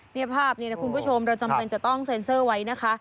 นี่ภาพนี้นะคุณผู้ชมเราจำเป็นจะต้องเซ็นเซอร์ไว้นะคะ